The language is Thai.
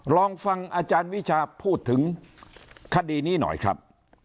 ลองฟังอาจารย์วิชาพูดถึงคดีนี้หน่อยครับ